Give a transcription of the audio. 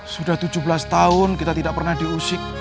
sudah tujuh belas tahun kita tidak pernah diusik